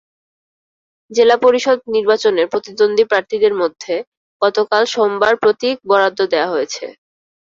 জেলা পরিষদ নির্বাচনে প্রতিদ্বন্দ্বী প্রার্থীদের মাঝে গতকাল সোমবার প্রতীক বরাদ্দ দেওয়া হয়েছে।